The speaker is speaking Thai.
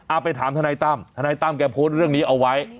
อ่าไปถามธนัยต้ำธนัยต้ำแกโพสต์เรื่องนี้เอาไว้